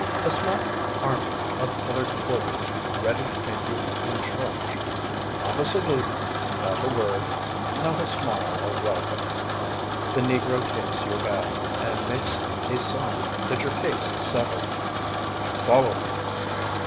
A small army of colored porters ready to take you in charge. Not a salute, not a word, not a smile of welcome. The negro takes your bag and makes a sign that your case is settled. You follow him.